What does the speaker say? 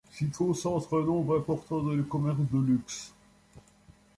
S'y concentrent un nombre important de commerces de luxe.